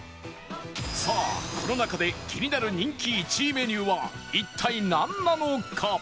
さあこの中で気になる人気１位メニューは一体なんなのか？